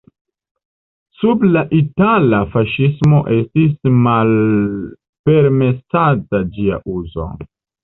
Sub la itala faŝismo estis malpermesata ĝia uzo.